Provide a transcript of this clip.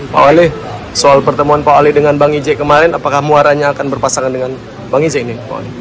pak wali soal pertemuan pak wali dengan bang ije kemarin apakah muaranya akan berpasangan dengan bang ize ini